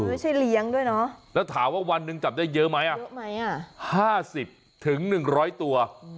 มันไม่ใช่เลี้ยงด้วยเนาะแล้วถามว่าวันหนึ่งจับได้เยอะไหมห้าสิบถึงหนึ่งร้อยตัว